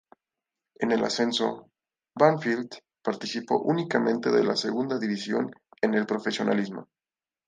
En el ascenso, Banfield participó únicamente de la segunda división en el profesionalismo.